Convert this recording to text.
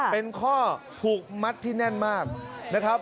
เป็นข้อผูกมัดที่แน่นมากนะครับ